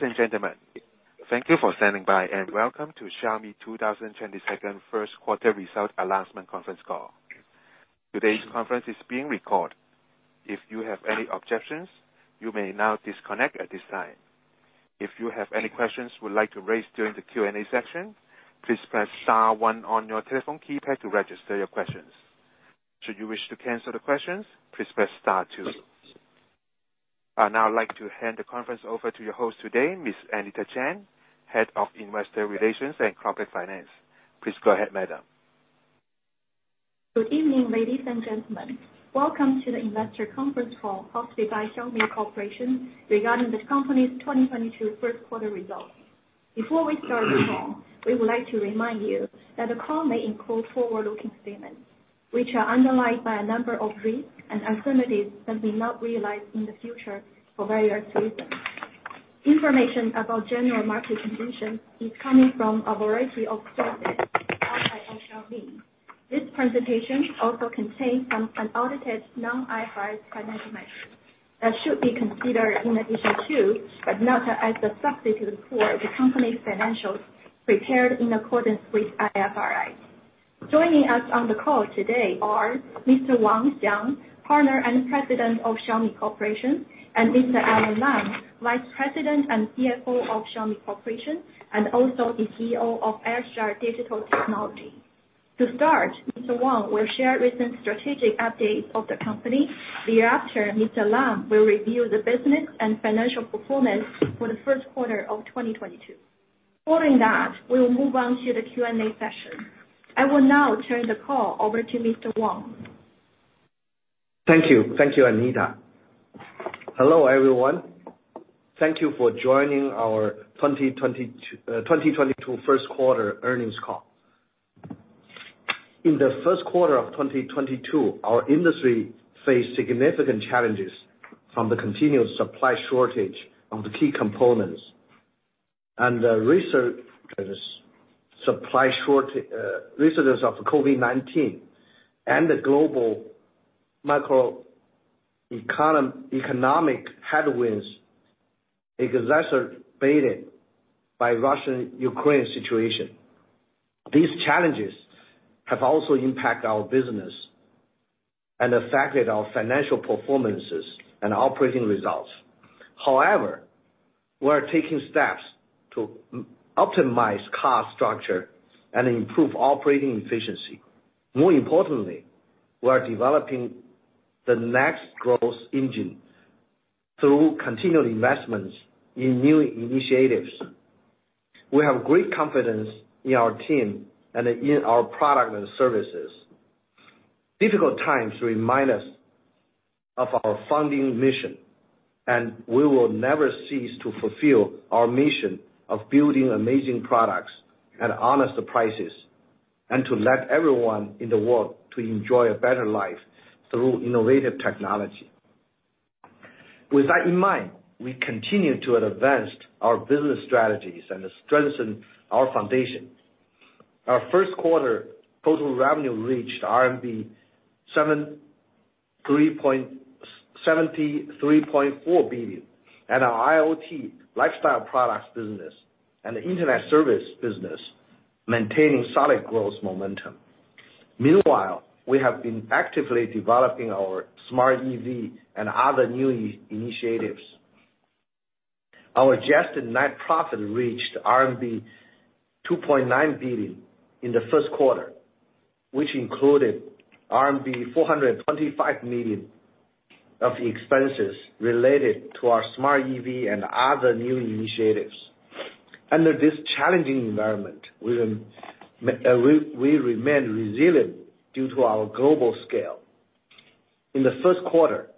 Ladies and gentlemen, thank you for standing by, and welcome to Xiaomi 2022 first quarter results announcement conference call. Today's conference is being recorded. If you have any objections, you may now disconnect at this time. If you have any questions you would like to raise during the Q&A session, please press star one on your telephone keypad to register your questions. Should you wish to cancel the questions, please press star two. I'd now like to hand the conference over to your host today, Ms. Anita Chen, Head of Investor Relations and Corporate Finance. Please go ahead, madam. Good evening, ladies and gentlemen. Welcome to the investor conference call hosted by Xiaomi Corporation regarding the company's 2022 first quarter results. Before we start the call, we would like to remind you that the call may include forward-looking statements, which are underlined by a number of risks and uncertainties that may not realize in the future for various reasons. Information about general market conditions is coming from a variety of sources other than Xiaomi. This presentation also contains some unaudited non-IFRS financial measures that should be considered in addition to, but not as a substitute for, the company's financials prepared in accordance with IFRS. Joining us on the call today are Mr. Wang Xiang, Partner and President of Xiaomi Corporation, and Mr. Alain Lam, Vice President and CFO of Xiaomi Corporation, and also the CEO of Airstar Digital Technology. To start, Mr. Wang will share recent strategic updates of the company. Thereafter, Mr. Lam will review the business and financial performance for the first quarter of 2022. Following that, we will move on to the Q&A session. I will now turn the call over to Mr. Wang. Thank you. Thank you, Anita. Hello, everyone. Thank you for joining our 2022 first quarter earnings call. In the first quarter of 2022, our industry faced significant challenges from the continued supply shortage of the key components and the resurface of COVID-19 and the global economic headwinds exacerbated by Russia-Ukraine situation. These challenges have also impact our business and affected our financial performances and operating results. However, we are taking steps to optimize cost structure and improve operating efficiency. More importantly, we are developing the next growth engine through continual investments in new initiatives. We have great confidence in our team and in our product and services. Difficult times remind us of our founding mission, and we will never cease to fulfill our mission of building amazing products at honest prices, and to let everyone in the world to enjoy a better life through innovative technology. With that in mind, we continue to advance our business strategies and strengthen our foundation. Our first quarter total revenue reached 73.4 billion. Our IoT lifestyle products business and internet service business maintaining solid growth momentum. Meanwhile, we have been actively developing our smart EV and other new initiatives. Our adjusted net profit reached RMB 2.9 billion in the first quarter, which included RMB 425 million of expenses related to our smart EV and other new initiatives. Under this challenging environment, we remain resilient due to our global scale. In the first quarter,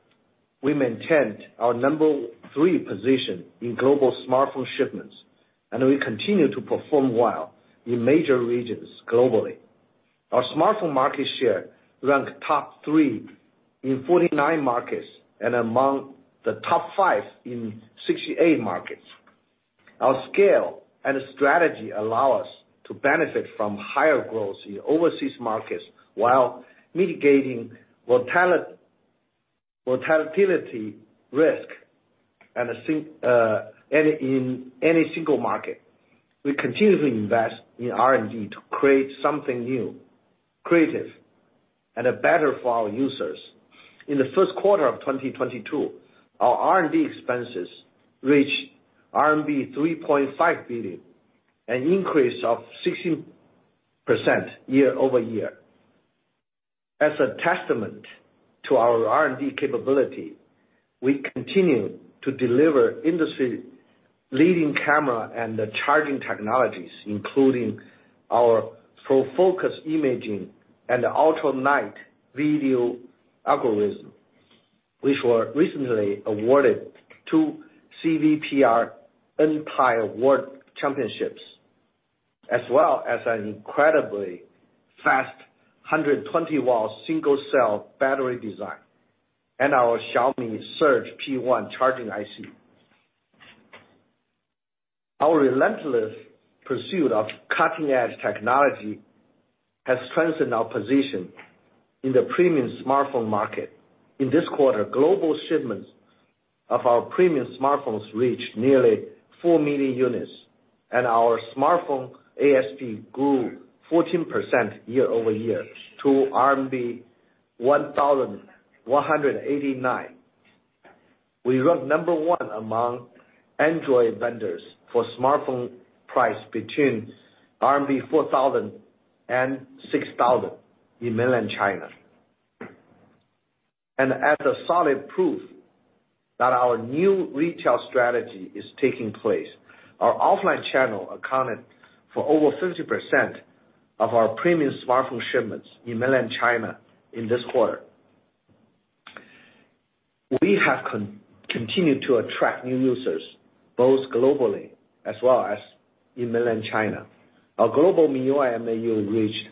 we maintained our number three position in global smartphone shipments, and we continue to perform well in major regions globally. Our smartphone market share ranked top three in 49 markets and among the top five in 68 markets. Our scale and strategy allow us to benefit from higher growth in overseas markets while mitigating volatility risk and any single market. We continue to invest in R&D to create something new, creative, and better for our users. In the first quarter of 2022, our R&D expenses reached RMB 3.5 billion, an increase of 16% year-over-year. As a testament to our R&D capability, we continue to deliver industry-leading camera and charging technologies, including our ProFocus imaging and ultra night video algorithm, which were recently awarded two CVPR NTIRE Award championships, as well as an incredibly fast 120-watt single-cell battery design and our Xiaomi Surge P1 charging IC. Our relentless pursuit of cutting-edge technology has strengthened our position in the premium smartphone market. In this quarter, global shipments of our premium smartphones reached nearly 4 million units, and our smartphone ASP grew 14% year-over-year to CNY 1,189. We ranked number one among Android vendors for smartphone price between 4,000-6,000 RMB in Mainland China. As solid proof that our new retail strategy is taking place, our offline channel accounted for over 50% of our premium smartphone shipments in Mainland China in this quarter. We have continued to attract new users, both globally as well as in Mainland China. Our global MIUI MAU reached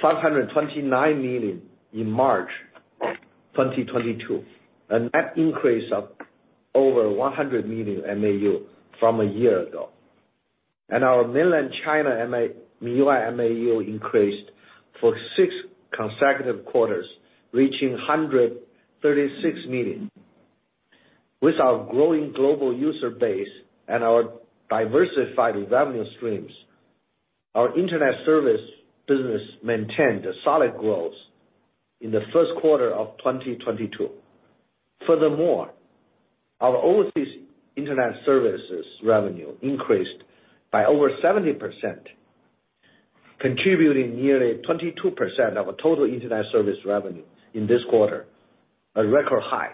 529 million in March 2022, a net increase of over 100 million MAU from a year ago. Our Mainland China MIUI MAU increased for six consecutive quarters, reaching 136 million. With our growing global user base and our diversified revenue streams, our internet service business maintained solid growth in the first quarter of 2022. Furthermore, our overseas internet services revenue increased by over 70%, contributing nearly 22% of our total internet service revenue in this quarter, a record high.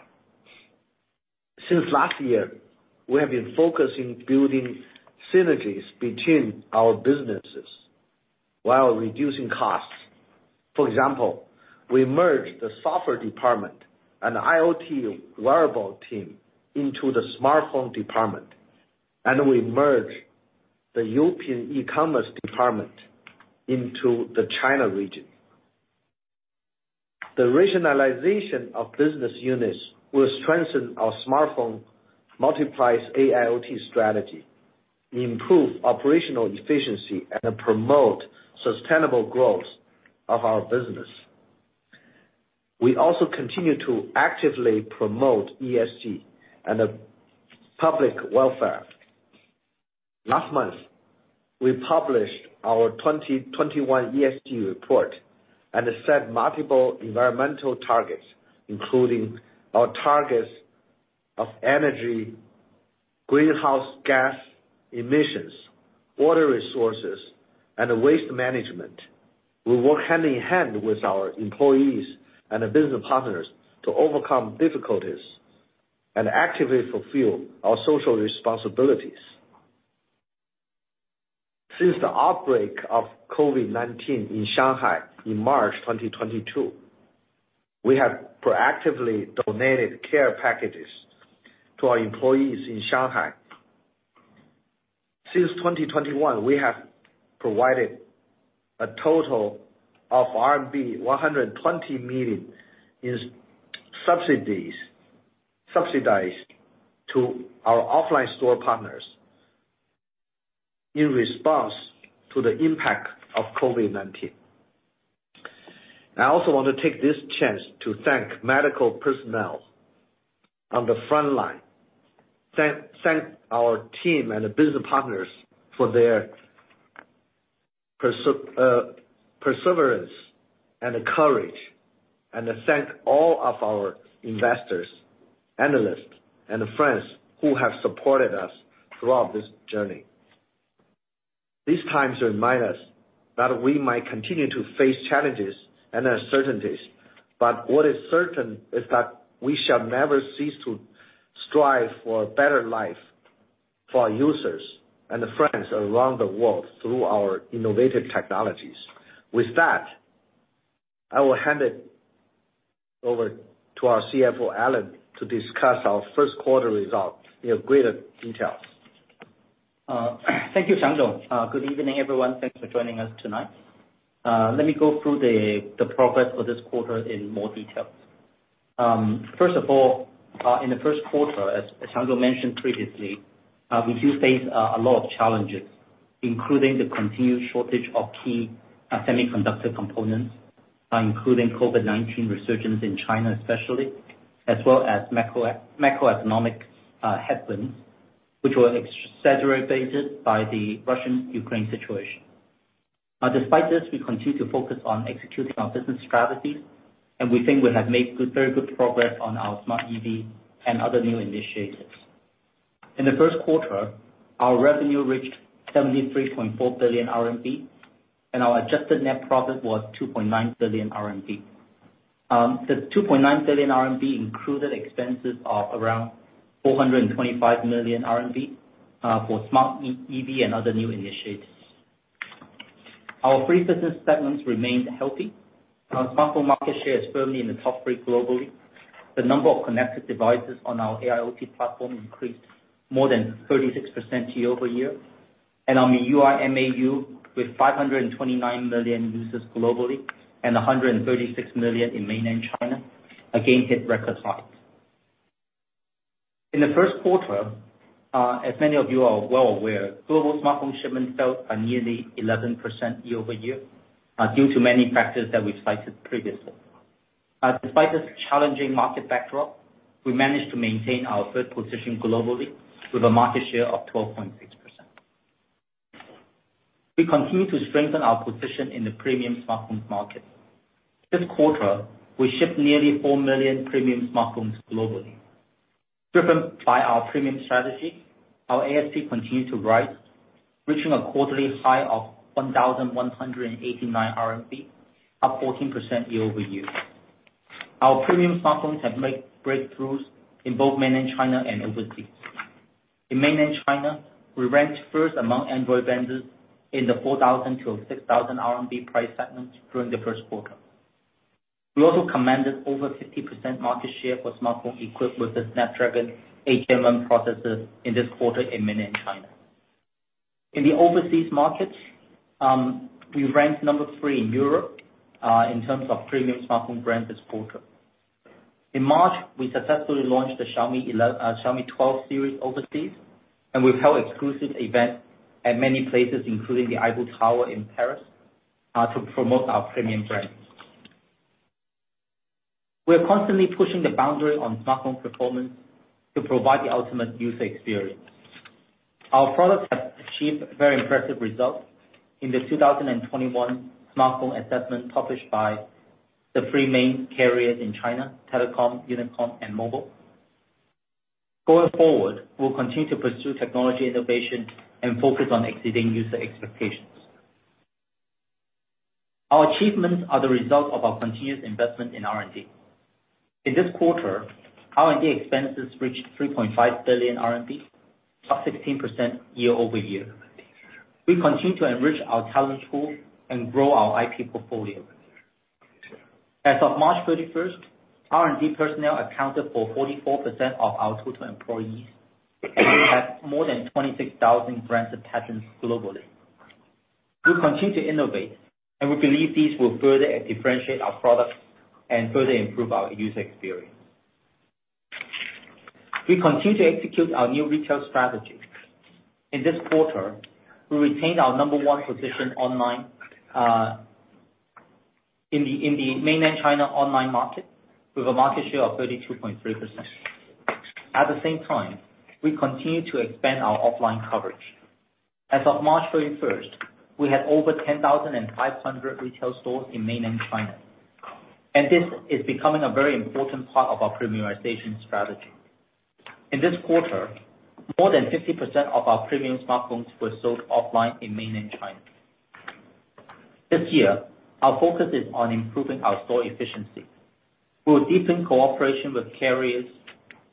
Since last year, we have been focusing on building synergies between our businesses while reducing costs. For example, we merged the software department and IoT wearable team into the smartphone department, and we merged the European e-commerce department into the China region. The rationalization of business units will strengthen our smartphone x AIoT strategy, improve operational efficiency, and promote sustainable growth of our business. We also continue to actively promote ESG and the public welfare. Last month, we published our 2021 ESG report and set multiple environmental targets, including our targets of energy, greenhouse gas emissions, water resources, and waste management. We work hand in hand with our employees and business partners to overcome difficulties and actively fulfill our social responsibilities. Since the outbreak of COVID-19 in Shanghai in March 2022, we have proactively donated care packages to our employees in Shanghai. Since 2021, we have provided a total of RMB 120 million in subsidies to our offline store partners in response to the impact of COVID-19. I also want to take this chance to thank medical personnel on the front line. Thank our team and the business partners for their perseverance and courage. Thank all of our investors, analysts, and friends who have supported us throughout this journey. These times remind us that we might continue to face challenges and uncertainties, but what is certain is that we shall never cease to strive for a better life for our users and friends around the world through our innovative technologies. With that, I will hand it over to our CFO, Alain, to discuss our first quarter results in greater detail. Thank you, Wang Xiang. Good evening, everyone. Thanks for joining us tonight. Let me go through the progress for this quarter in more detail. First of all, in the first quarter, as Wang Xiang mentioned previously, we do face a lot of challenges, including the continued shortage of key semiconductor components, including COVID-19 resurgence in China especially, as well as macroeconomic headwinds, which were exacerbated by the Russia-Ukraine situation. Now despite this, we continue to focus on executing our business strategies, and we think we have made good, very good progress on our Smart EV and other new initiatives. In the first quarter, our revenue reached 73.4 billion RMB, and our adjusted net profit was 2.9 billion RMB. The 2.9 billion RMB included expenses of around 425 million RMB for smart EV and other new initiatives. Our three business segments remained healthy. Our smartphone market share is firmly in the top three globally. The number of connected devices on our AIoT platform increased more than 36% year-over-year. On the MIUI MAU, with 529 million users globally and 136 million in mainland China, again hit record highs. In the first quarter, as many of you are well aware, global smartphone shipments fell nearly 11% year-over-year due to many factors that we've cited previously. Despite this challenging market backdrop, we managed to maintain our third position globally with a market share of 12.6%. We continue to strengthen our position in the premium smartphones market. This quarter, we shipped nearly 4 million premium smartphones globally. Driven by our premium strategy, our ASP continued to rise, reaching a quarterly high of 1,189 RMB, up 14% year-over-year. Our premium smartphones have made breakthroughs in both Mainland China and overseas. In Mainland China, we ranked first among Android vendors in the 4,000-6,000 RMB price segments during the first quarter. We also commanded over 50% market share for smartphone equipped with the Snapdragon 8 Gen 1 processors in this quarter in Mainland China. In the overseas market, we ranked number 3 in Europe in terms of premium smartphone brands this quarter. In March, we successfully launched the Xiaomi 12 series overseas, and we've held exclusive event at many places, including the Eiffel Tower in Paris, to promote our premium brand. We are constantly pushing the boundary on smartphone performance to provide the ultimate user experience. Our products have achieved very impressive results in the 2021 smartphone assessment published by the three main carriers in China Telecom, China Unicom, and China Mobile. Going forward, we'll continue to pursue technology innovation and focus on exceeding user expectations. Our achievements are the result of our continuous investment in R&D. In this quarter, our R&D expenses reached CNY 3.5 billion, up 16% year-over-year. We continue to enrich our talent pool and grow our IP portfolio. As of March 31st, R&D personnel accounted for 44% of our total employees, and we have more than 26,000 granted patents globally. We'll continue to innovate, and we believe these will further differentiate our products and further improve our user experience. We continue to execute our new retail strategy. In this quarter, we retained our number one position online in the Mainland China online market with a market share of 32.3%. At the same time, we continue to expand our offline coverage. As of March 31st, we had over 10,500 retail stores in Mainland China, and this is becoming a very important part of our premiumization strategy. In this quarter, more than 50% of our premium smartphones were sold offline in Mainland China. This year, our focus is on improving our store efficiency. We'll deepen cooperation with carriers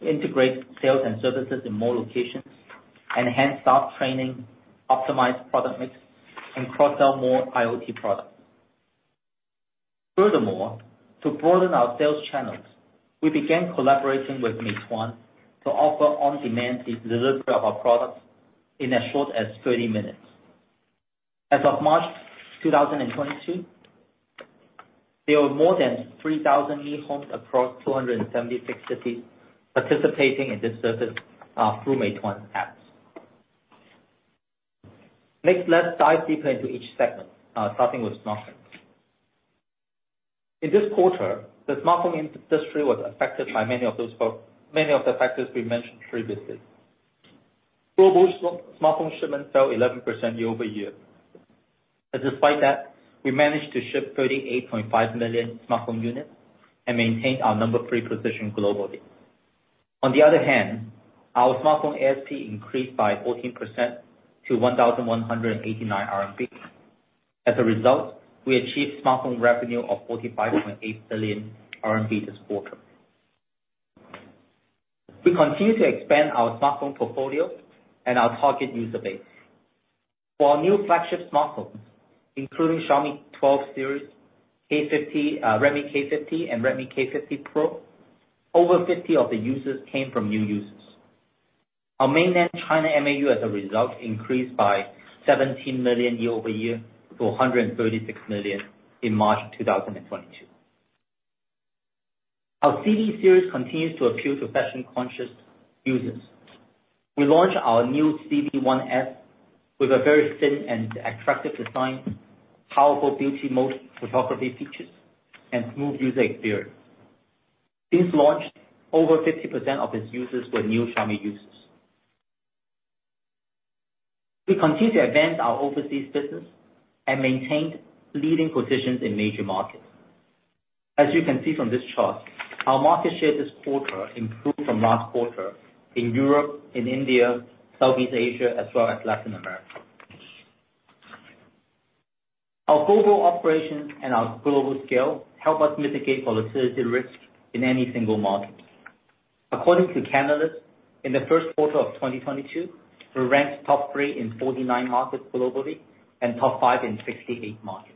to integrate sales and services in more locations, enhance staff training, optimize product mix, and cross-sell more IoT products. Furthermore, to broaden our sales channels, we began collaborating with Meituan to offer on-demand delivery of our products in as short as 30 minutes. As of March 2022, there were more than 3,000 Mi Homes across 276 cities participating in this service through Meituan apps. Next, let's dive deeper into each segment, starting with smartphones. In this quarter, the smartphone industry was affected by many of the factors we mentioned previously. Global smartphone shipments fell 11% year-over-year. Despite that, we managed to ship 38.5 million smartphone units and maintain our number three position globally. On the other hand, our smartphone ASP increased by 14% to 1,189 RMB. As a result, we achieved smartphone revenue of 45.8 billion RMB this quarter. We continue to expand our smartphone portfolio and our target user base. For our new flagship smartphones, including Xiaomi 12 series, K50, Redmi K50 and Redmi K50 Pro, over 50% of the users came from new users. Our Mainland China MAU, as a result, increased by 17 million year-over-year to 136 million in March 2022. Our Civi series continues to appeal to fashion-conscious users. We launched our new Civi 1S with a very thin and attractive design, powerful beauty mode photography features, and smooth user experience. Since launch, over 50% of its users were new Xiaomi users. We continue to advance our overseas business and maintained leading positions in major markets. As you can see from this chart, our market share this quarter improved from last quarter in Europe, in India, Southeast Asia as well as Latin America. Our global operations and our global scale help us mitigate volatility risk in any single market. According to Canalys, in the first quarter of 2022, we ranked top three in 49 markets globally and top five in 58 markets.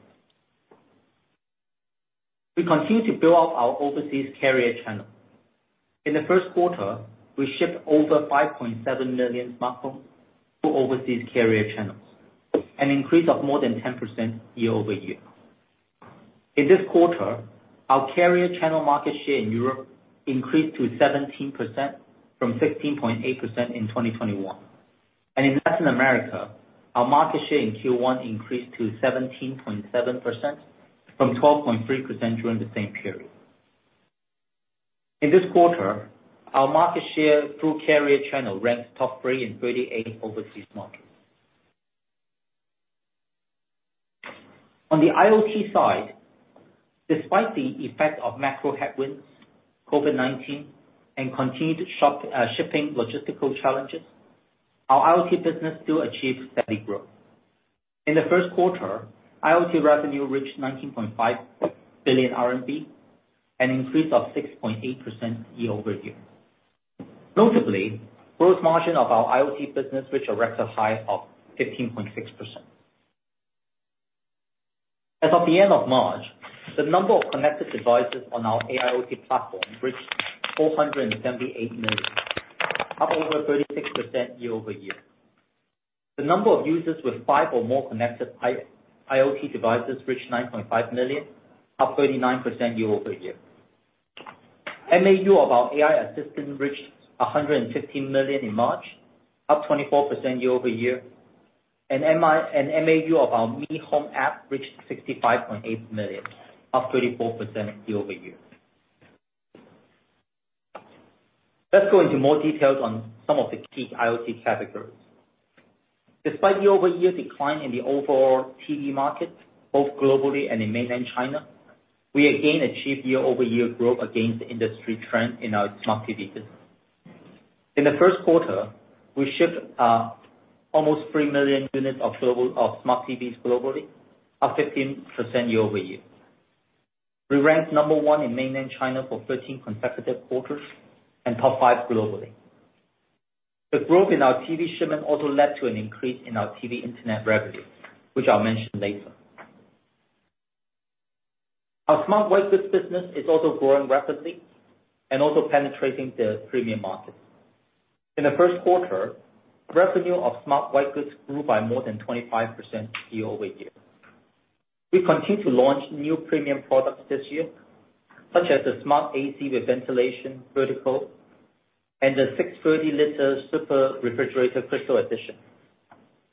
We continue to build up our overseas carrier channel. In the first quarter, we shipped over 5.7 million smartphones to overseas carrier channels, an increase of more than 10% year-over-year. In this quarter, our carrier channel market share in Europe increased to 17% from 16.8% in 2021. In Latin America, our market share in Q1 increased to 17.7% from 12.3% during the same period. In this quarter, our market share through carrier channel ranked top three in 38 overseas markets. On the IoT side, despite the effect of macro headwinds, COVID-19 and continued shipping logistical challenges, our IoT business still achieved steady growth. In the first quarter, IoT revenue reached 19.5 billion RMB, an increase of 6.8% year-over-year. Notably, gross margin of our IoT business reached a record high of 15.6%. As of the end of March, the number of connected devices on our AIoT platform reached 478 million, up over 36% year-over-year. The number of users with five or more connected IoT devices reached 9.5 million, up 39% year-over-year. MAU of our AI assistant reached 115 million in March, up 24% year-over-year. MAU of our Mi Home app reached 65.8 million, up 34% year-over-year. Let's go into more details on some of the key IoT categories. Despite year-over-year decline in the overall TV market, both globally and in mainland China, we again achieved year-over-year growth against the industry trend in our smart TV business. In the first quarter, we shipped almost 3 million units of smart TVs globally, up 15% year-over-year. We ranked number one in mainland China for 13 consecutive quarters and top five globally. The growth in our TV shipment also led to an increase in our TV internet revenue, which I'll mention later. Our smart white goods business is also growing rapidly and also penetrating the premium market. In the first quarter, revenue of smart white goods grew by more than 25% year-over-year. We continue to launch new premium products this year, such as the smart AC with ventilation vertical and the 630-liter super refrigerator crystal edition,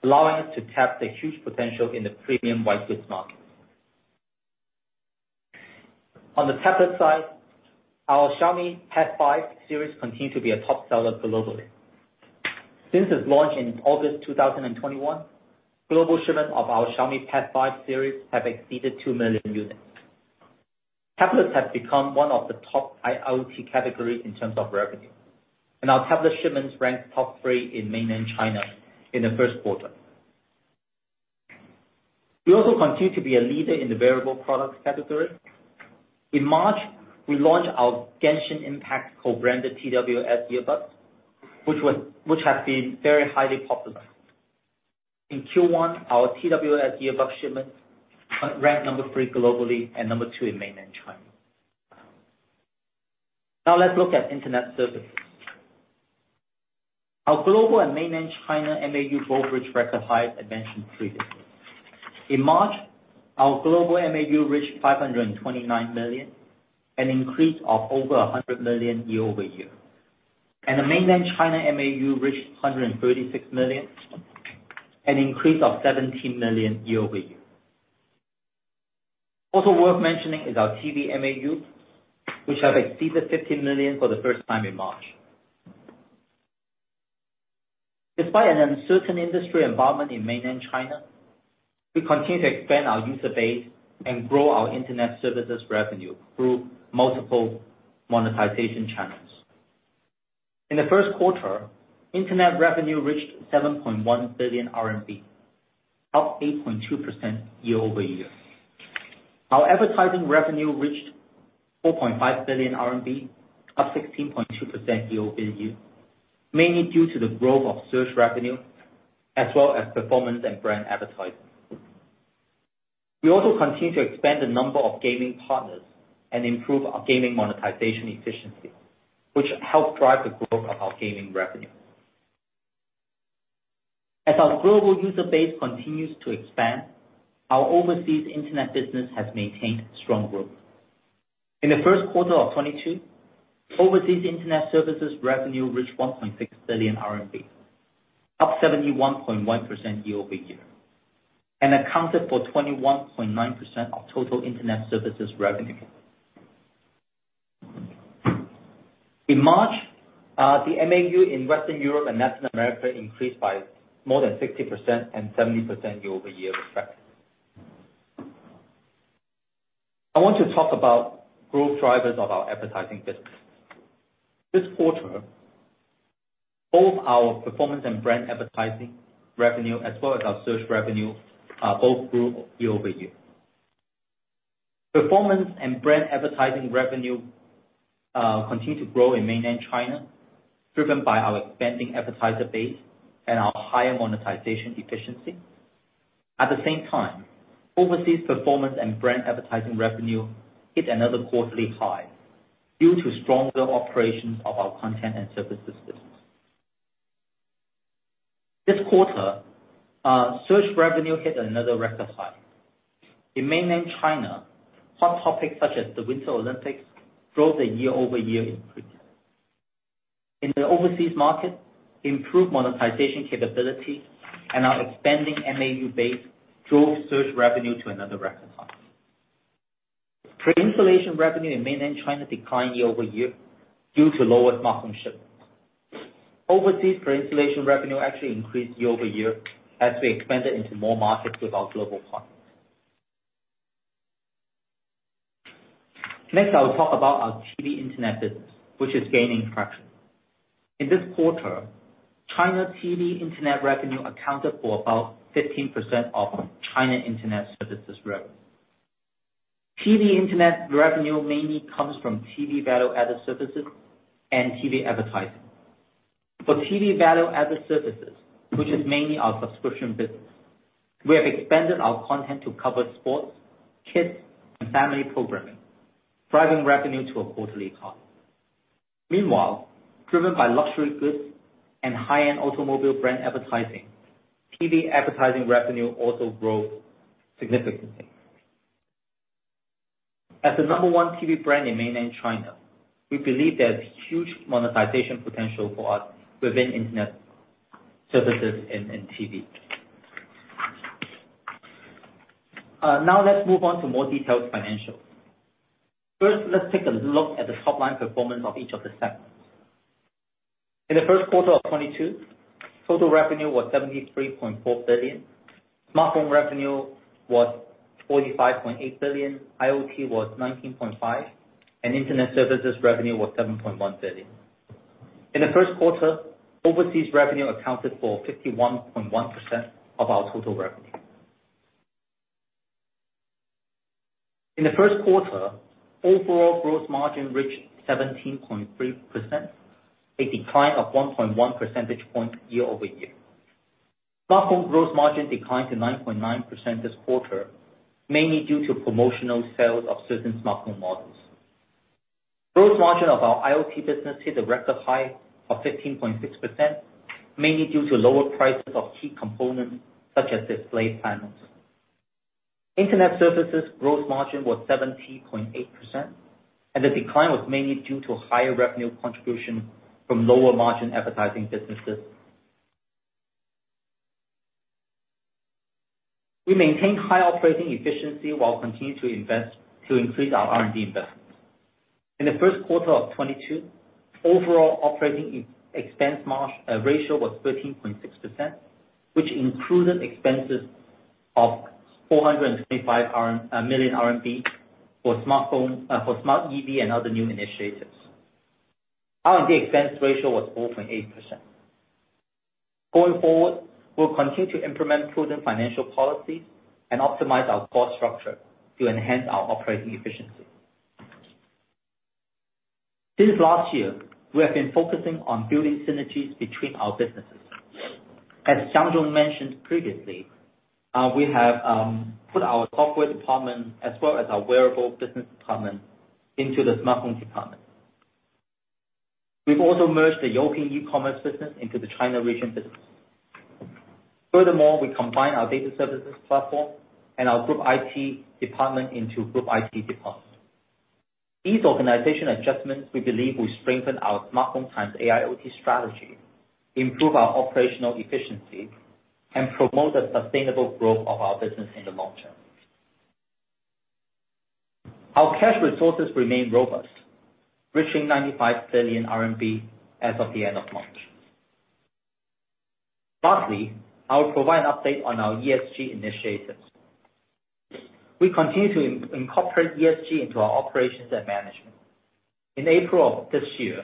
allowing us to tap the huge potential in the premium white goods market. On the tablet side, our Xiaomi Pad 5 series continue to be a top seller globally. Since its launch in August 2021, global shipment of our Xiaomi Pad 5 series have exceeded 2 million units. Tablets have become one of the top AIoT categories in terms of revenue, and our tablet shipments ranked top three in mainland China in the first quarter. We also continue to be a leader in the wearable product category. In March, we launched our Genshin Impact co-branded TWS earbuds, which has been very highly popular. In Q1, our TWS earbuds shipments ranked number three globally and number two in mainland China. Now let's look at internet service. Our global and mainland China MAU both reached record highs I mentioned previously. In March, our global MAU reached 529 million, an increase of over 100 million year-over-year. The mainland China MAU reached 136 million, an increase of 17 million year-over-year. Also worth mentioning is our TV MAU, which have exceeded 50 million for the first time in March. Despite an uncertain industry environment in mainland China, we continue to expand our user base and grow our internet services revenue through multiple monetization channels. In the first quarter, internet revenue reached 7.1 billion RMB, up 8.2% year-over-year. Our advertising revenue reached 4.5 billion RMB, up 16.2% year-over-year, mainly due to the growth of search revenue as well as performance and brand advertising. We also continue to expand the number of gaming partners and improve our gaming monetization efficiency, which help drive the growth of our gaming revenue. As our global user base continues to expand, our overseas internet business has maintained strong growth. In the first quarter of 2022, overseas internet services revenue reached 1.6 billion RMB, up 71.1% year-over-year, and accounted for 21.9% of total internet services revenue. In March, the MAU in Western Europe and Latin America increased by more than 60% and 70% year-over-year, respectively. I want to talk about growth drivers of our advertising business. This quarter, both our performance and brand advertising revenue as well as our search revenue, both grew year-over-year. Performance and brand advertising revenue, continued to grow in mainland China, driven by our expanding advertiser base and our higher monetization efficiency. At the same time, overseas performance and brand advertising revenue hit another quarterly high due to stronger operations of our content and services business. This quarter, search revenue hit another record high. In mainland China, hot topics such as the Winter Olympics drove the year-over-year increase. In the overseas market, improved monetization capability and our expanding MAU base drove search revenue to another record high. Pre-installation revenue in mainland China declined year-over-year due to lower smartphone shipments. Overseas pre-installation revenue actually increased year-over-year as we expanded into more markets with our global partners. Next, I will talk about our TV internet business, which is gaining traction. In this quarter, China TV internet revenue accounted for about 15% of China internet services revenue. TV internet revenue mainly comes from TV value-added services and TV advertising. For TV value-added services, which is mainly our subscription business, we have expanded our content to cover sports, kids, and family programming, driving revenue to a quarterly high. Meanwhile, driven by luxury goods and high-end automobile brand advertising, TV advertising revenue also grew significantly. As the number one TV brand in mainland China, we believe there's huge monetization potential for us within internet services and TV. Now let's move on to more detailed financials. First, let's take a look at the top-line performance of each of the segments. In the first quarter of 2022, total revenue was 73.4 billion, smartphone revenue was 45.8 billion, IoT was 19.5 billion, and internet services revenue was 7.1 billion. In the first quarter, overseas revenue accounted for 51.1% of our total revenue. In the first quarter, overall gross margin reached 17.3%, a decline of one point one percentage point year-over-year. Smartphone gross margin declined to 9.9% this quarter, mainly due to promotional sales of certain smartphone models. Gross margin of our IoT business hit a record high of 15.6%, mainly due to lower prices of key components such as display panels. Internet services gross margin was 70.8%, and the decline was mainly due to higher revenue contribution from lower margin advertising businesses. We maintain high operating efficiency while continuing to invest to increase our R&D investments. In the first quarter of 2022, overall operating expense ratio was 13.6%, which included expenses of 425 million RMB for smartphone for smart EV and other new initiatives. R&D expense ratio was 4.8%. Going forward, we'll continue to implement prudent financial policies and optimize our cost structure to enhance our operating efficiency. Since last year, we have been focusing on building synergies between our businesses. As Wang Xiang mentioned previously, we have put our software department as well as our wearable business department into the smartphone department. We've also merged the Youpin e-commerce business into the China region business. Furthermore, we combined our data services platform and our group IT department into group IT department. These organizational adjustments, we believe, will strengthen our smartphone x IoT strategy, improve our operational efficiency, and promote the sustainable growth of our business in the long term. Our cash resources remain robust, reaching 95 billion RMB as of the end of March. Lastly, I'll provide an update on our ESG initiatives. We continue to incorporate ESG into our operations and management. In April of this year,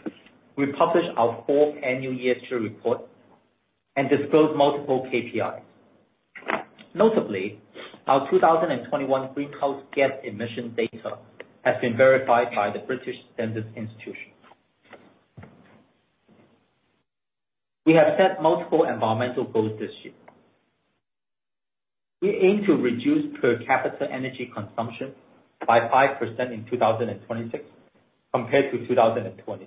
we published our fourth annual ESG report and disclosed multiple KPIs. Notably, our 2021 greenhouse gas emission data has been verified by the British Standards Institution. We have set multiple environmental goals this year. We aim to reduce per capita energy consumption by 5% in 2026 compared to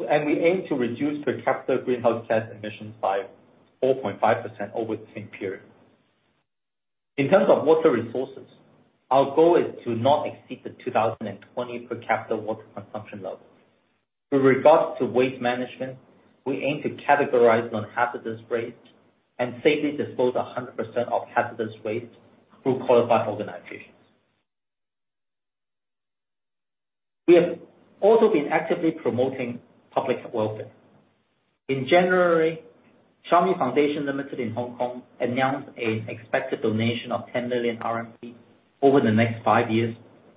2020. We aim to reduce per capita greenhouse gas emissions by 4.5% over the same period. In terms of water resources, our goal is to not exceed the 2020 per capita water consumption level. With regards to waste management, we aim to categorize non-hazardous waste and safely dispose 100% of hazardous waste through qualified organizations. We have also been actively promoting public welfare. In January, Xiaomi Foundation Limited in Hong Kong announced an expected donation of 10 million RMB over the next five years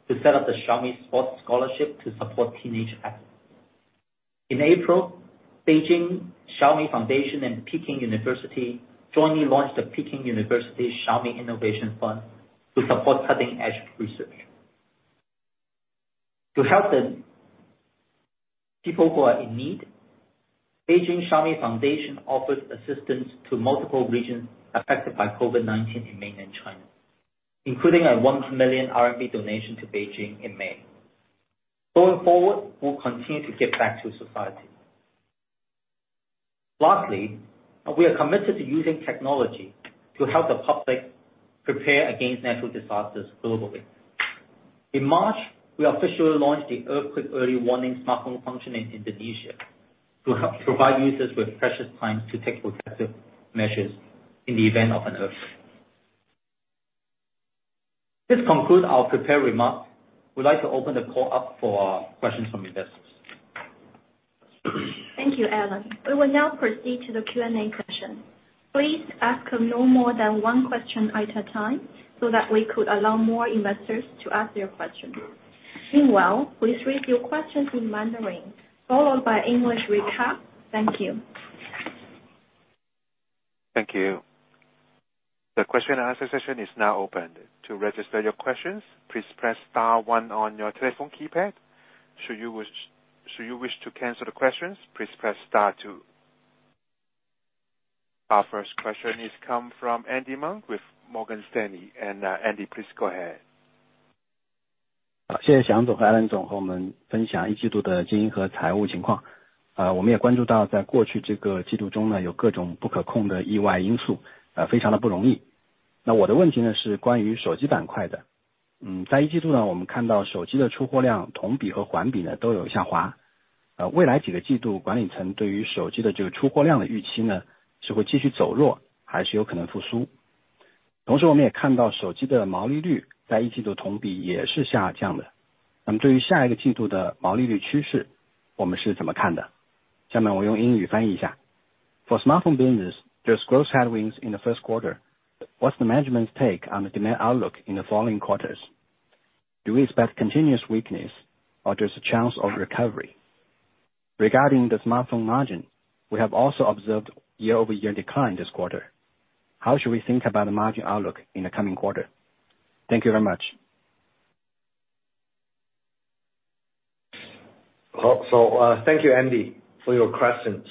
to set up the Xiaomi Sports Scholarship to support teenage athletes. In April, Beijing Xiaomi Foundation and Peking University jointly launched the Peking University Xiaomi Innovation Fund to support cutting-edge research. To help the people who are in need, Beijing Xiaomi Foundation offers assistance to multiple regions affected by COVID-19 in mainland China, including a 1 million RMB donation to Beijing in May. Going forward, we'll continue to give back to society. Lastly, we are committed to using technology to help the public prepare against natural disasters globally. In March, we officially launched the earthquake early warning smartphone function in Indonesia to help provide users with precious time to take protective measures in the event of an earthquake. This concludes our prepared remarks. We'd like to open the call up for questions from investors. Thank you, Alain. We will now proceed to the Q&A session. Please ask no more than one question at a time so that we could allow more investors to ask their questions. Meanwhile, please read your questions in Mandarin, followed by English recap. Thank you. Thank you. The question and answer session is now open. To register your questions, please press star one on your telephone keypad. Should you wish to cancel the questions, please press star two. Our first question comes from Andy Meng with Morgan Stanley. Andy, please go ahead. For smartphone business, there's growth headwinds in the first quarter. What's the management's take on the demand outlook in the following quarters? Do we expect continuous weakness or there's a chance of recovery? Regarding the smartphone margin, we have also observed year-over-year decline this quarter. How should we think about the margin outlook in the coming quarter? Thank you very much. Thank you, Andy, for your question.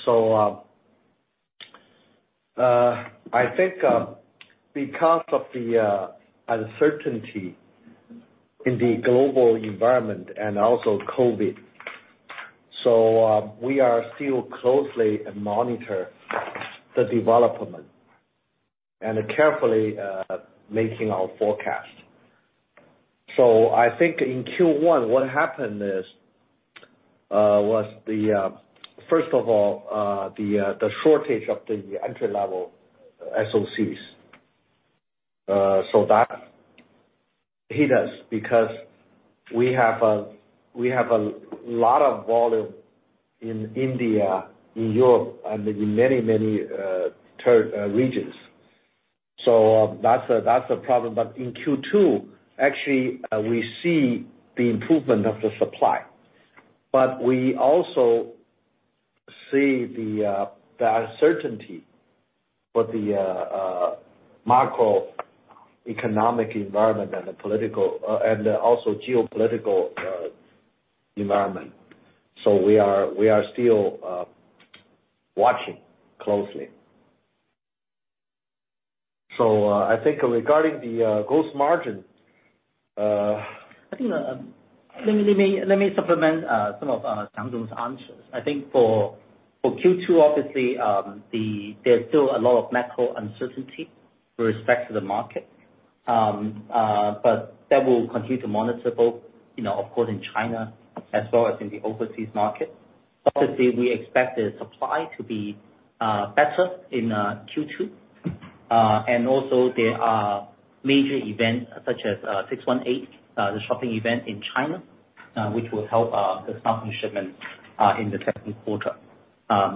I think, because of the uncertainty in the global environment and also COVID, we are still closely monitor the development and carefully making our forecast. I think in Q1, what happened was the first of all, the shortage of the entry-level SOCs. That hit us because we have a lot of volume in India, in Europe, and in many regions. That's a problem. In Q2, actually, we see the improvement of the supply, but we also see the uncertainty for the macroeconomic environment and the political and also geopolitical environment. We are still watching closely. I think regarding the gross margin. I think, let me supplement some of Xiang's answers. I think for Q2 obviously, there's still a lot of macro uncertainty with respect to the market. That will continue to monitor both, you know, of course, in China as well as in the overseas market. Obviously, we expect the supply to be better in Q2. And also there are major events such as 618, the shopping event in China, which will help the smartphone shipments in the second quarter.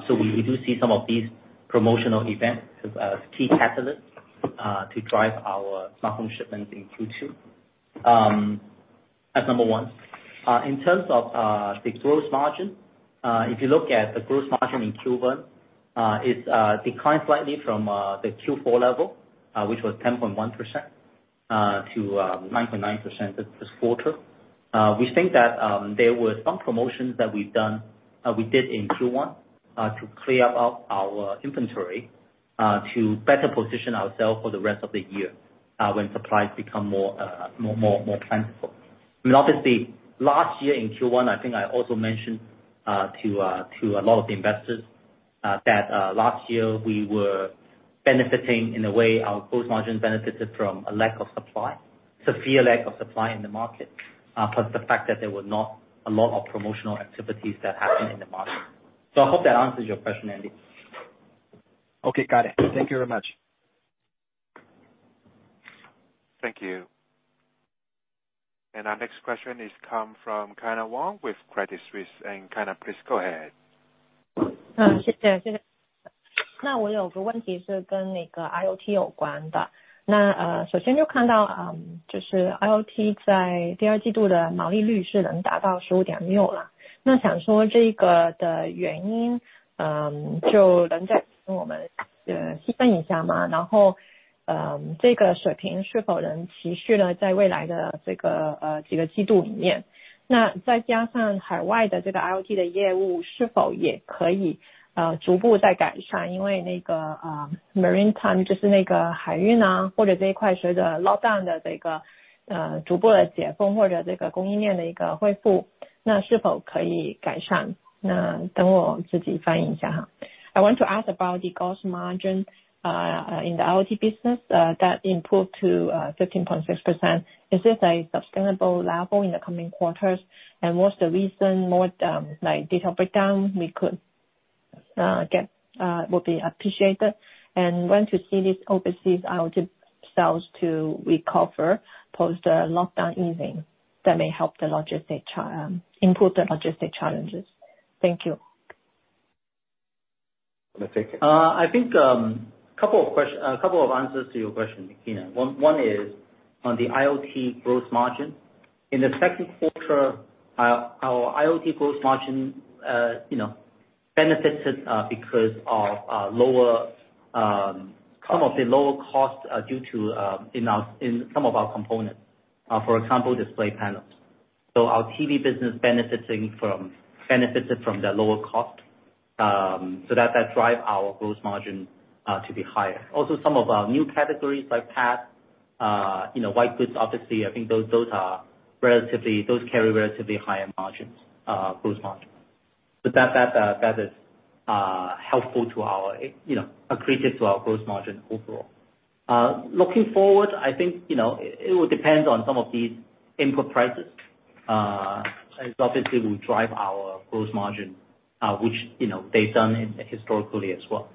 We do see some of these promotional events as key catalysts to drive our smartphone shipments in Q2. That's number one. In terms of the gross margin, if you look at the gross margin in Q1, it's declined slightly from the Q4 level, which was 10.1%, to 9.9% this quarter. We think that there were some promotions that we did in Q1, to clear up our inventory, to better position ourselves for the rest of the year, when supplies become more plentiful. I mean, obviously, last year in Q1, I think I also mentioned to a lot of the investors that last year we were benefiting in a way our gross margin benefited from a lack of supply, severe lack of supply in the market. The fact that there were not a lot of promotional activities that happened in the market. I hope that answers your question, Andy. Okay. Got it. Thank you very much. Thank you. Our next question is from Kyna Wong with Credit Suisse. And Kyna, please go ahead. I want to ask about the gross margin in the IoT business that improved to 15.6%. Is this a sustainable level in the coming quarters? What's the reason? More like detail breakdown we could will be appreciated. When do you see this overseas IoT sales to recover post the lockdown easing that may help improve the logistics challenges? Thank you. You wanna take it? I think a couple of answers to your question, Kyna. One is on the IoT gross margin. In the second quarter, our IoT gross margin, you know, benefited because of some of the lower costs due to in some of our components, for example, display panels. Our TV business benefited from the lower cost. That drive our gross margin to be higher. Also, some of our new categories like tablet, you know, white goods, obviously, I think those are relatively, those carry relatively higher margins, gross margins. That is helpful to our, you know, accretive to our gross margin overall. Looking forward, I think, you know, it will depend on some of the input prices, as obviously will drive our gross margin, which, you know, they've done it historically as well.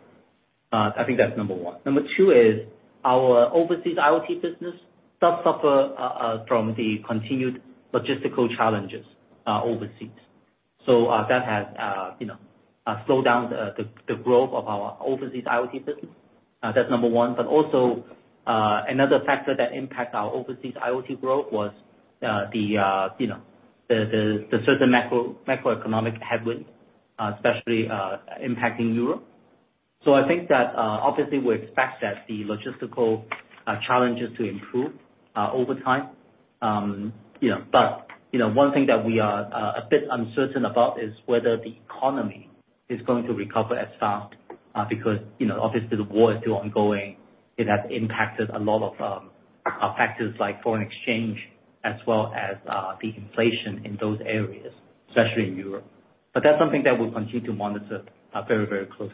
I think that's number one. Number two is our overseas IoT business does suffer from the continued logistical challenges overseas. That has, you know, slowed down the growth of our overseas IoT business. That's number one. Also, another factor that impact our overseas IoT growth was, you know, the certain macroeconomic headwind, especially impacting Europe. So I think that, obviously we expect that the logistical challenges to improve over time. You know, one thing that we are a bit uncertain about is whether the economy is going to recover as fast, because, you know, obviously the war is still ongoing. It has impacted a lot of factors like foreign exchange as well as the inflation in those areas, especially in Europe. That's something that we'll continue to monitor very, very closely.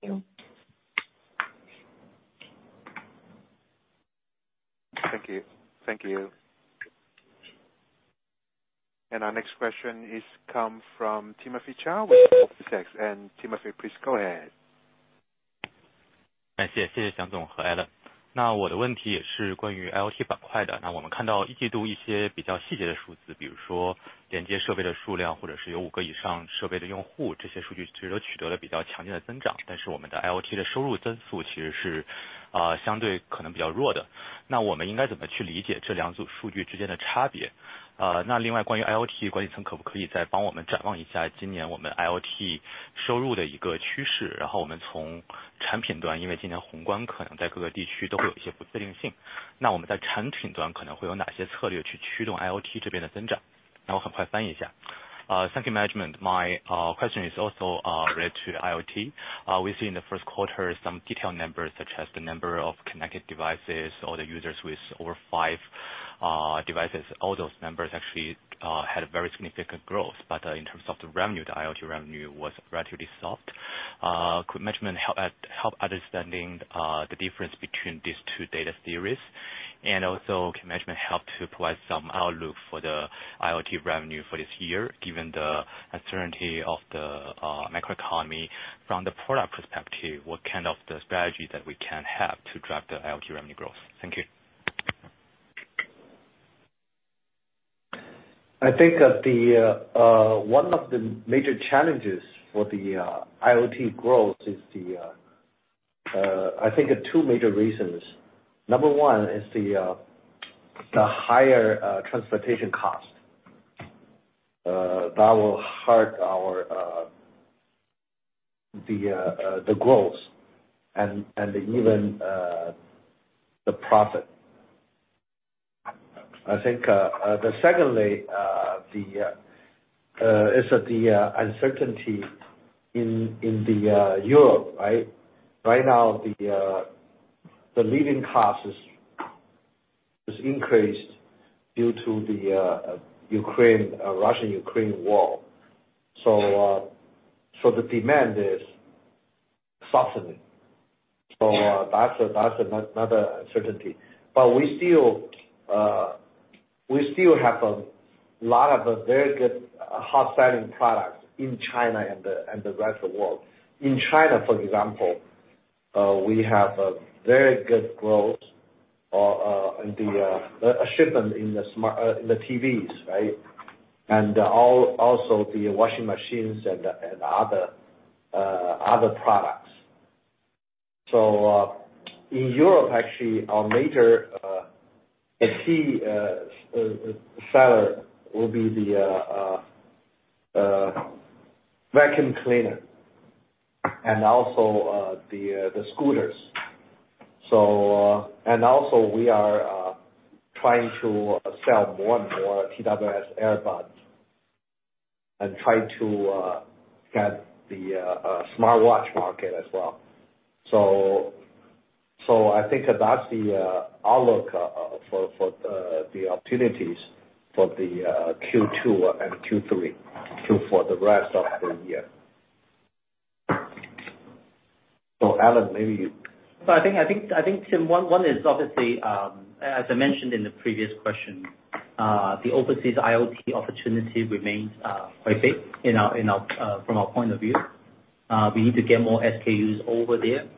Thank you. Thank you. Thank you. Our next question comes from Timothy Zhao [with UBS]. Timothy, please go ahead. Thank you, management. My question is also related to IoT. We've seen in the first quarter some detailed numbers such as the number of connected devices or the users with over five devices. All those numbers actually had a very significant growth. In terms of the revenue, the IoT revenue was relatively soft. Could management help understanding the difference between these two data series? And also, can management help to provide some outlook for the IoT revenue for this year, given the uncertainty of the macroeconomy from the product perspective, what kind of the strategy that we can have to drive the IoT revenue growth? Thank you. I think one of the major challenges for the IoT growth is that there are two major reasons. Number one is the higher transportation cost. That will hurt our growth and even the profit. I think secondly, the uncertainty in Europe, right? Right now the cost of living is increased due to the Russia-Ukraine war. The demand is softening. That's another uncertainty. But we still have a lot of very good hot-selling products in China and the rest of the world. In China, for example, we have a very good growth in the shipment in the smart TVs, right? Also the washing machines and the other products. In Europe, actually, our major seller will be the vacuum cleaner and also the scooters. We are trying to sell more and more TWS earbuds and try to get the smartwatch market as well. I think that's the outlook for the opportunities for the Q2 and Q3 too for the rest of the year. Alain, maybe you I think, Timothy, one is obviously, as I mentioned in the previous question, the overseas IoT opportunity remains quite big from our point of view. We need to get more SKUs over there.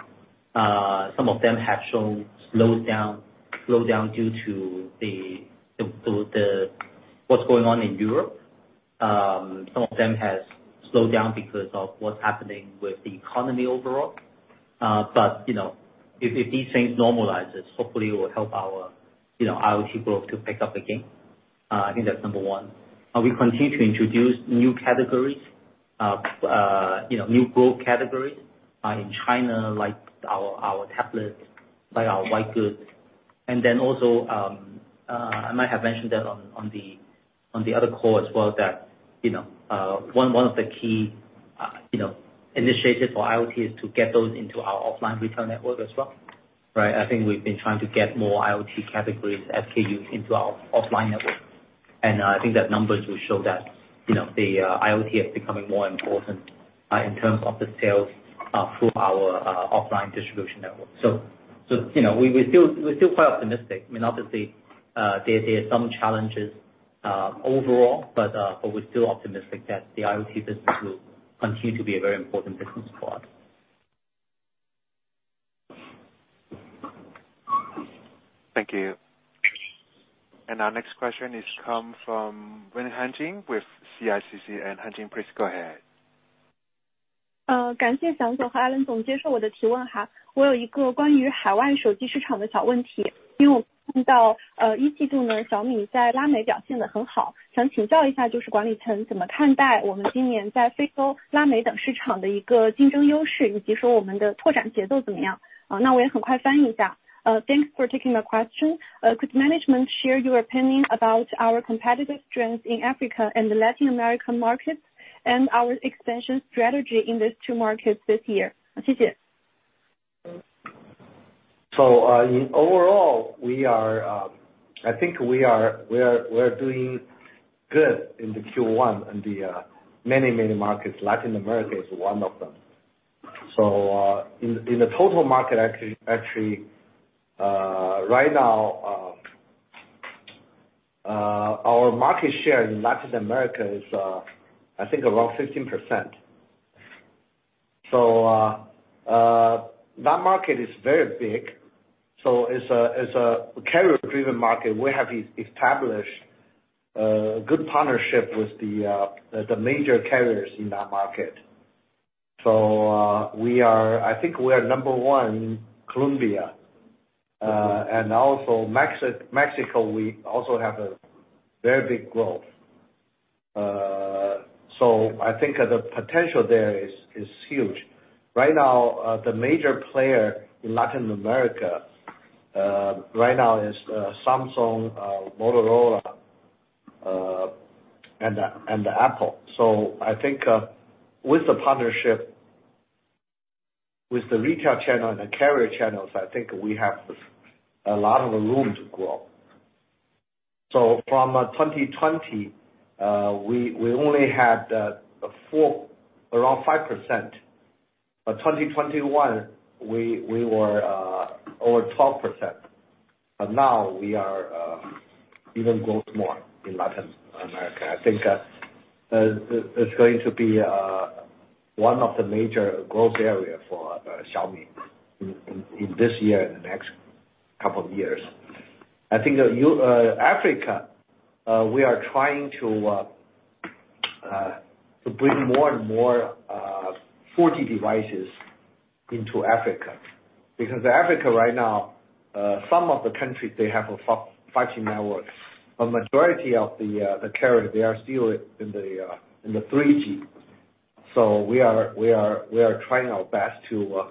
Some of them have shown slow down due to what's going on in Europe. Some of them has slowed down because of what's happening with the economy overall. But, you know, if these things normalizes, hopefully it will help our, you know, IoT growth to pick up again. I think that's number one. We continue to introduce new categories, you know, new growth categories, in China, like our tablets, like our white goods. I might have mentioned that on the other call as well that, you know, one of the key, you know, initiatives for IoT is to get those into our offline retail network as well, right? I think we've been trying to get more IoT categories, SKUs into our offline network. I think that numbers will show that, you know, the IoT is becoming more important in terms of the sales through our offline distribution network. You know, we're still quite optimistic. I mean, obviously, there are some challenges overall, but we're still optimistic that the IoT business will continue to be a very important business for us. Thank you. Our next question comes from Jingwen Han with CICC. Jingwen Han, please go ahead. Thanks for taking my question. Could management share your opinion about our competitive trends in Africa and the Latin American markets, and our expansion strategy in these two markets this year? Overall, I think we are doing good in the Q1 in the many markets. Latin America is one of them. In the total market actually, right now, our market share in Latin America is, I think around 15%. That market is very big. It's a carrier-driven market. We have established a good partnership with the major carriers in that market. I think we are number one in Colombia. And also Mexico, we also have a very big growth. I think the potential there is huge. Right now, the major player in Latin America is Samsung, Motorola, and Apple. I think, with the partnership with the retail channel and the carrier channels, I think we have a lot of room to grow. From 2020, we only had around 5%. In 2021, we were over 12%. Now we are even growth more in Latin America. I think this is going to be one of the major growth area for Xiaomi in this year and the next couple of years. I think Africa, we are trying to bring more and more 4G devices into Africa. Because Africa right now, some of the countries, they have a 5G network, but majority of the carriers, they are still in the 3G. We are trying our best to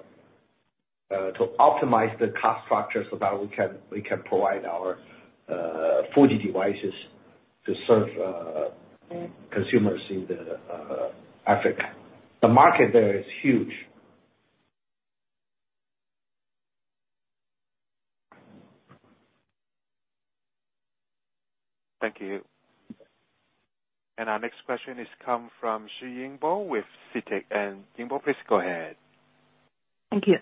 optimize the cost structure so that we can provide our 4G devices to serve consumers in Africa. The market there is huge. Thank you. Our next question comes from Yingbo Xu with CITIC. Yingbo, please go ahead. Thank you.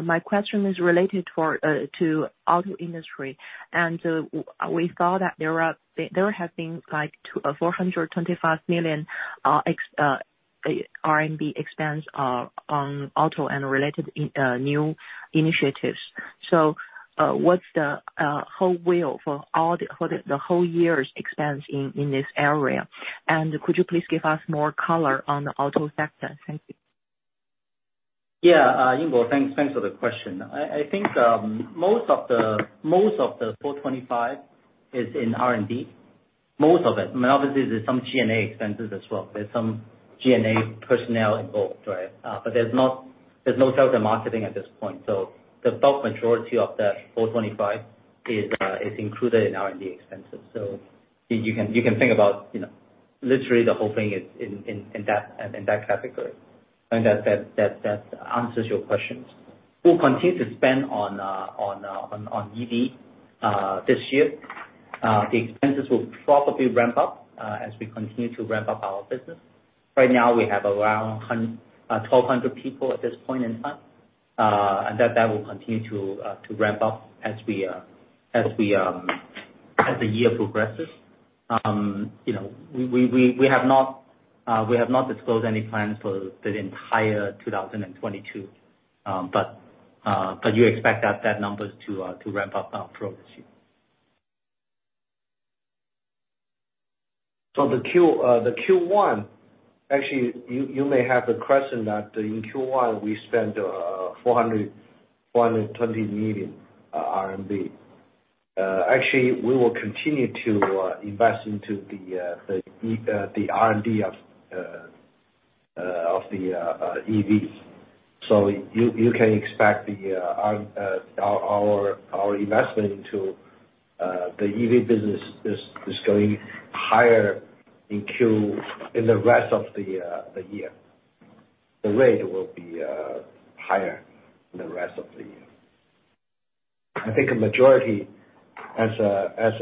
My question is related to auto industry. We saw that there have been like 425 million expense on auto and related new initiatives. What's the whole deal for the whole year's expense in this area? Could you please give us more color on the auto sector? Thank you. Yeah. Yingbo, thanks for the question. I think most of the 425 is in R&D. Most of it. I mean, obviously, there's some G&A expenses as well. There's some G&A personnel involved, right? But there's no sales and marketing at this point. So the bulk majority of that 425 is included in R&D expenses. So you can think about, you know, literally the whole thing is in that category. I think that answers your questions. We'll continue to spend on EV this year. The expenses will probably ramp up as we continue to ramp up our business. Right now, we have around 1,200 people at this point in time. That will continue to ramp up as the year progresses. You know, we have not disclosed any plans for the entire 2022. You expect those numbers to ramp up throughout this year. In Q1, actually, you may have the question that in Q1, we spent 420 million RMB. Actually, we will continue to invest into the R&D of the EV. You can expect our investment into the EV business is going higher in the rest of the year. The rate will be higher in the rest of the year. I think a majority, as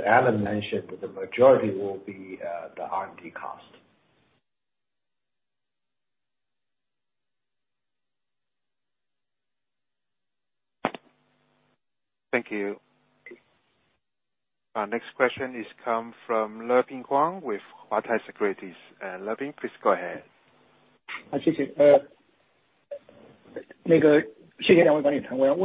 Alain mentioned, the majority will be the R&D cost. Thank you. Our next question comes from Leping Huang with Huatai Securities. Leping, please go ahead. Thank you for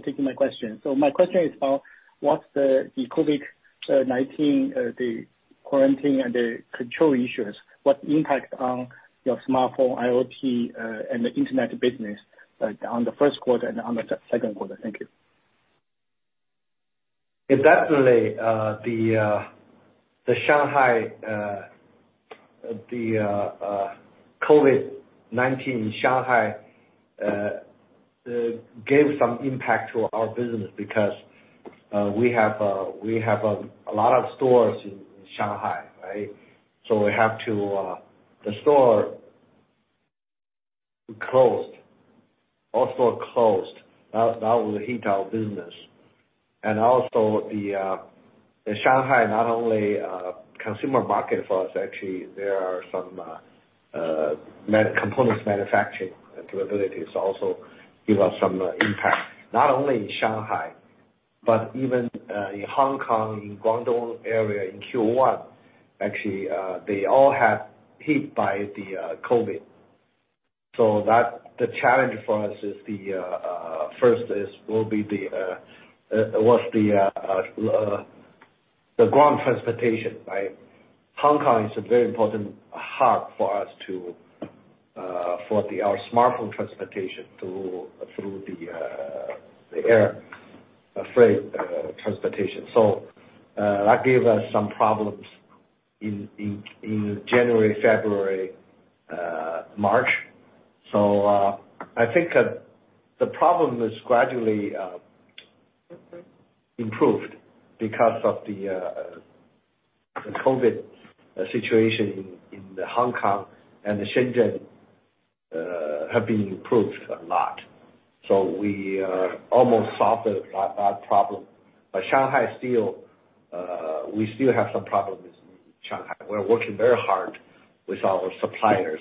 taking my question. My question is about what's the COVID-19 quarantine and the control issues, what impact on your smartphone, IoT, and the internet business on the first quarter and on the second quarter? Thank you. It definitely, the COVID-19 in Shanghai gave some impact to our business because we have a lot of stores in Shanghai, right? The stores closed. All stores closed. That will hit our business. Also, the Shanghai not only consumer market for us, actually, there are some components manufacturing capabilities also give us some impact. Not only in Shanghai, but even in Hong Kong, in Guangdong area in Q1, actually, they all were hit by the COVID. The challenge for us is the first was the ground transportation, right? Hong Kong is a very important hub for us, for our smartphone transportation through the air freight transportation. That gave us some problems in January, February, March. I think the problem is gradually improved because of the COVID situation in Hong Kong and Shenzhen have been improved a lot. We are almost solved that problem. Shanghai still, we still have some problems in Shanghai. We're working very hard with our suppliers,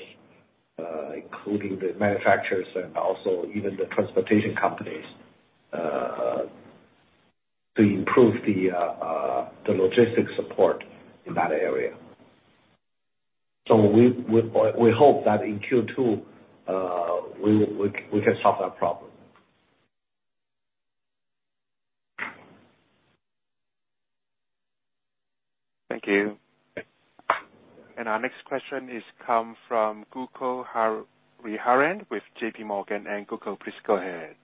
including the manufacturers and also even the transportation companies, to improve the logistics support in that area. We hope that in Q2 we can solve that problem. Thank you. Our next question comes from Gokul Hariharan with JPMorgan. Gokul, please go ahead.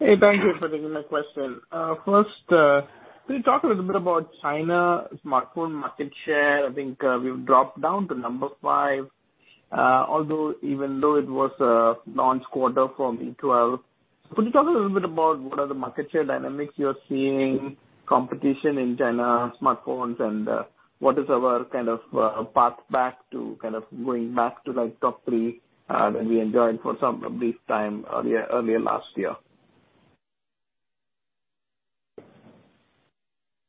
Hey. Thank you for taking my question. First, can you talk a little bit about China smartphone market share? I think we've dropped down to number five, although even though it was a launch quarter for Xiaomi 12. Could you talk a little bit about what are the market share dynamics you're seeing, competition in China smartphones, and what is our kind of path back to kind of going back to that top three that we enjoyed for some brief time earlier last year?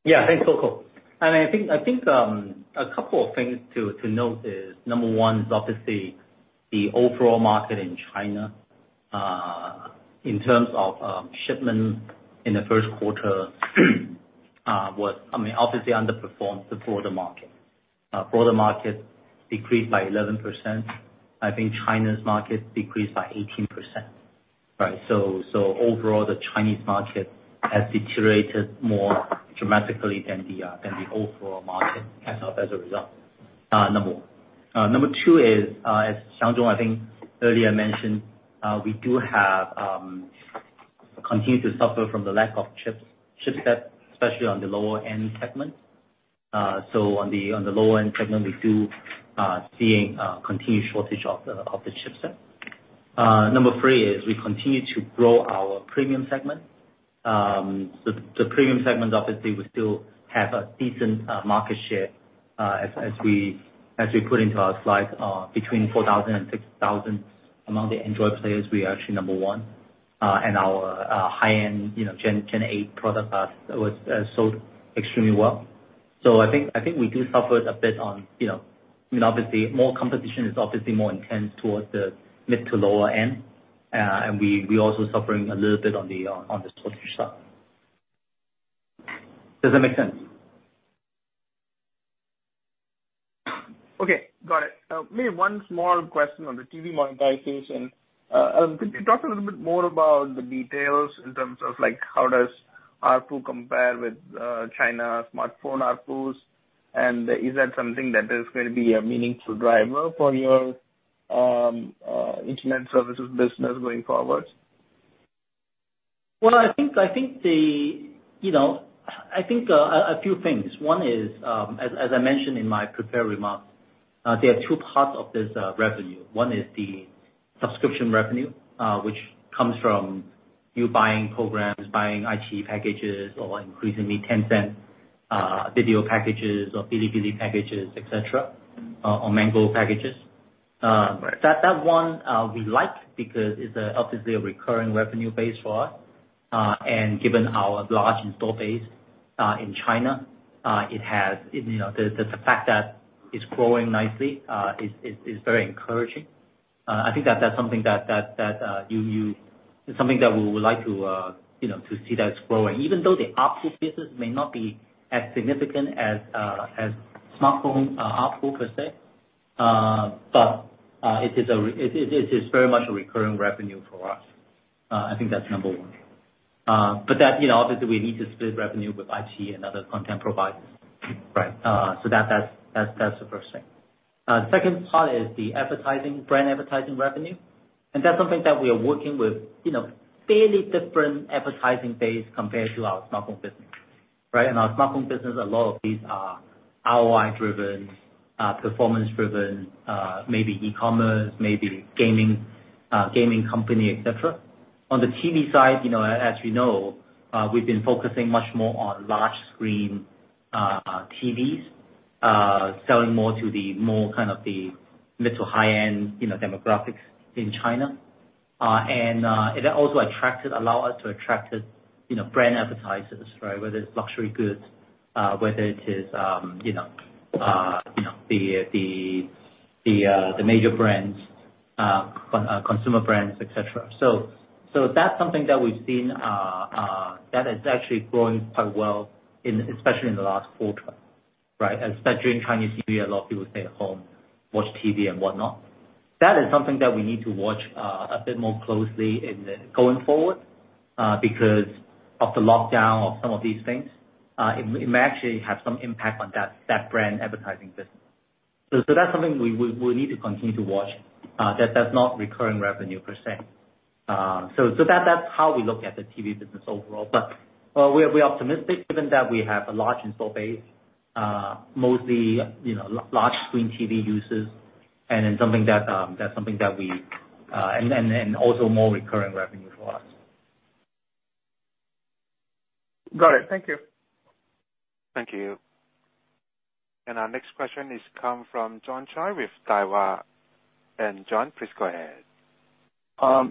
Yeah. Thanks, Gokul. I think a couple of things to note is, number one is obviously the overall market in China in terms of shipment in the first quarter underperformed the broader market. I mean, obviously. Broader market decreased by 11%. I think China's market decreased by 18%, right? So overall, the Chinese market has deteriorated more dramatically than the overall market as a result, number one. Number two is, as Wang Xiang earlier mentioned, we continue to suffer from the lack of chipsets, especially on the lower end segment. So on the lower end segment, we are seeing continued shortage of the chipset. Number three is we continue to grow our premium segment. The premium segment, obviously, we still have a decent market share, as we put into our slides, 4,000-6,000. Among the Android players, we are actually number one. Our high-end, you know, Gen 8 product was sold extremely well. I think we do suffer a bit on, you know, I mean, obviously more competition is obviously more intense towards the mid to lower end. We also suffering a little bit on the shortage side. Does that make sense? Okay. Got it. Maybe one small question on the TV monetizations. Could you talk a little bit more about the details in terms of like, how does ARPU compare with China smartphone ARPUs? And is that something that is going to be a meaningful driver for your internet services business going forward? Well, I think, you know, a few things. One is, as I mentioned in my prepared remarks, there are two parts of this revenue. One is the subscription revenue, which comes from you buying programs, buying iQIYI packages or increasingly Tencent video packages or Bilibili packages, et cetera, or Mango packages. Right. That one we like because it's obviously a recurring revenue base for us. Given our large install base in China, it has you know the fact that it's growing nicely is very encouraging. I think that's something that we would like to you know to see that it's growing. Even though the ARPU business may not be as significant as smartphone ARPU per se, it is very much a recurring revenue for us. I think that's number one. That you know obviously we need to split revenue with iQIYI and other content providers. Right. That's the first thing. The second part is the advertising, brand advertising revenue. That's something that we are working with, you know, fairly different advertising base compared to our smartphone business, right? In our smartphone business, a lot of these are ROI-driven, performance-driven, maybe e-commerce, maybe gaming company, et cetera. On the TV side, you know, as you know, we've been focusing much more on large screen TVs, selling more to the kind of mid to high-end, you know, demographics in China. It also allows us to attract, you know, brand advertisers, right? Whether it's luxury goods, whether it is, you know, the major brands, consumer brands, et cetera. That's something that we've seen that is actually growing quite well, especially in the last quarter, right? Especially during Chinese New Year, a lot of people stay at home, watch TV and whatnot. That is something that we need to watch a bit more closely going forward because of the lockdown of some of these things. It may actually have some impact on that brand advertising business. That's something we'll need to continue to watch, that's not recurring revenue per say. That's how we look at the TV business overall. We're optimistic given that we have a large install base, mostly, you know, large screen TV users and also more recurring revenue for us. Got it. Thank you. Thank you. Our next question comes from John Choi with Daiwa. John, please go ahead.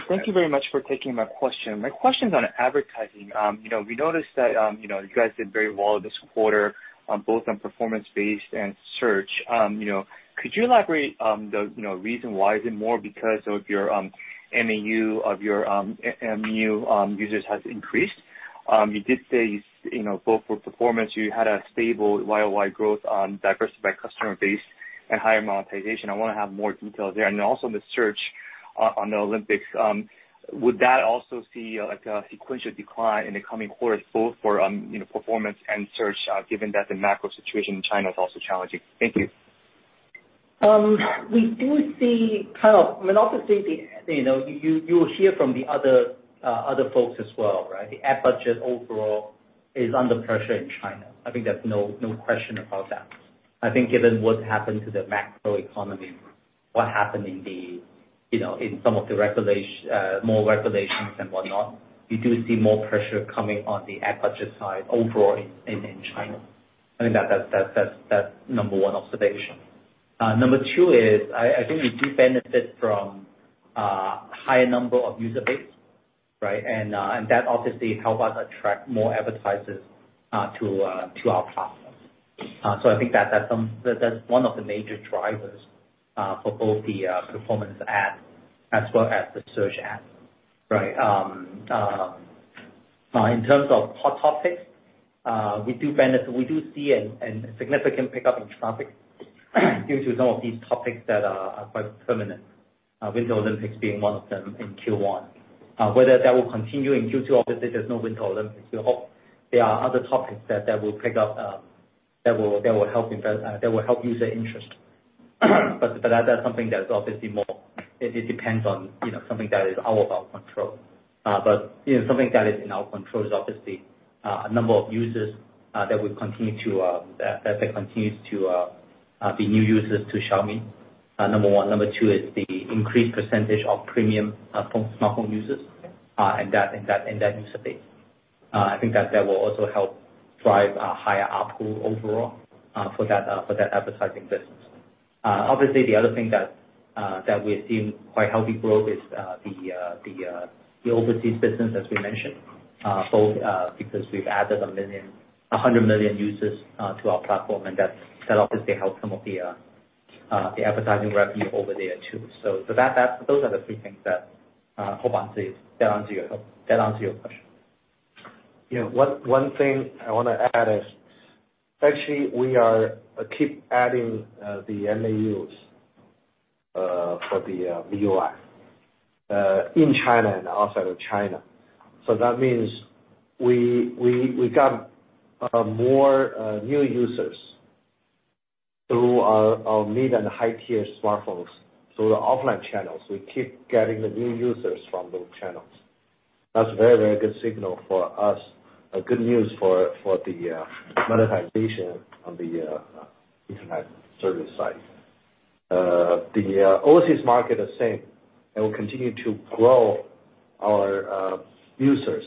Thank you very much for taking my question. My question's on advertising. You know, we noticed that, you know, you guys did very well this quarter, both on performance-based and search. You know, could you elaborate, the, you know, reason why? Is it more because of your MAU of your MIUI users has increased? You did say, you know, both for performance, you had a stable Y-o-Y growth on diversified customer base and higher monetization. I wanna have more details there. Then also the search on the Olympics, would that also see like a sequential decline in the coming quarters, both for, you know, performance and search, given that the macro situation in China is also challenging? Thank you. We do see kind of, I mean, obviously the, you know, you'll hear from the other folks as well, right? The ad budget overall is under pressure in China. I think there's no question about that. I think given what happened to the macro economy, what happened in the, you know, in some of the more regulations and whatnot, you do see more pressure coming on the ad budget side overall in China. I think that's number one observation. Number two is I think we do benefit from higher number of user base, right? And that obviously help us attract more advertisers to our platform. So I think that's some. That's one of the major drivers for both the performance ad as well as the search ad, right? In terms of hot topics, we do benefit, we do see a significant pickup in traffic due to some of these topics that are quite permanent, Winter Olympics being one of them in Q1. Whether that will continue in Q2, obviously, there's no Winter Olympics. We hope there are other topics that will pick up, that will help user interest. That's something that is obviously more. It depends on, you know, something that is out of our control. You know, something that is in our control is obviously a number of users that continues to be new users to Xiaomi, number one. Number two is the increased percentage of premium smartphone users and that user base. I think that will also help drive a higher ARPU overall for that advertising business. Obviously the other thing that we have seen quite healthy growth is the overseas business as we mentioned. Both because we've added 100 million users to our platform, and that's obviously helped some of the advertising revenue over there too. That's those are the three things that [Alain Lam says]. Get onto your question. You know, one thing I wanna add is actually we are keep adding the MAUs for the MIUI in China and outside of China. That means we got more new users through our mid and high tier smartphones. Through the offline channels, we keep getting the new users from those channels. That's a very good signal for us, good news for the monetization on the internet service side. The overseas market is same, and we continue to grow our user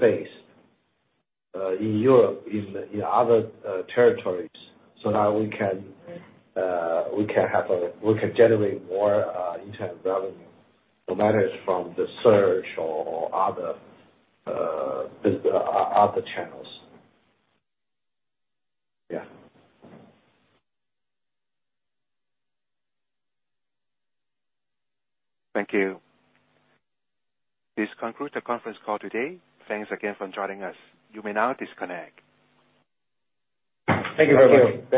base in Europe, in other territories, so now we can generate more internet revenue, no matter from the search or other channels. Yeah. Thank you. This concludes the conference call today. Thanks again for joining us. You may now disconnect. Thank you. Thank you.